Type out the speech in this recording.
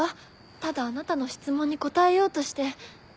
ただあなたの質問に答えようとして。